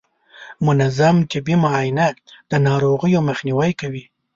منظم طبي معاینه د ناروغیو مخنیوی کوي.